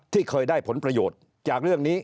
ที่เคยได้ผลประโยชน์จากเรื่องนี้